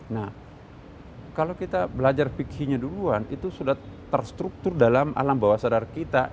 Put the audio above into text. nah kalau kita belajar fikihnya duluan itu sudah terstruktur dalam alam bawah sadar kita